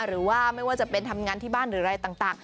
หรือว่าไม่ว่าจะเป็นทำงานที่บ้านหรืออะไรต่าง